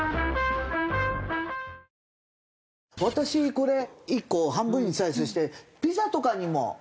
私これ１個を半分にスライスしてピザとかにも。